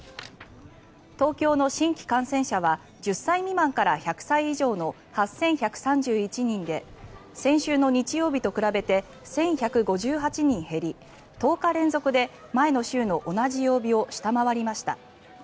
東京の新規感染者は１０歳未満から１００歳以上の８１３１人で先週の日曜日と比べて１１５８人減り１０日連続で前の週の同じ曜日を下回りました。